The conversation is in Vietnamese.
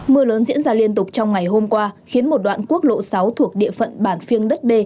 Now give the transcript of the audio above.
mưa lớn diễn ra liên tục trong ngày hôm qua khiến một đoạn quốc lộ sáu thuộc địa phận bản phiêng đất b